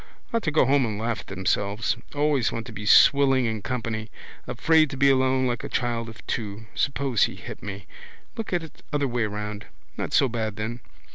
Ought to go home and laugh at themselves. Always want to be swilling in company. Afraid to be alone like a child of two. Suppose he hit me. Look at it other way round. Not so bad then.